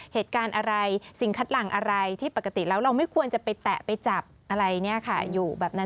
เหตุการณ์อะไรสิ่งคัดหลังอะไรที่ปกติแล้วเราไม่ควรจะไปแตะไปจับอะไรเนี่ยค่ะอยู่แบบนั้น